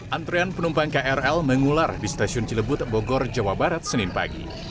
antrean penumpang krl mengular di stasiun cilebut bogor jawa barat senin pagi